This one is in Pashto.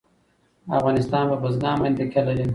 افغانستان په بزګان باندې تکیه لري.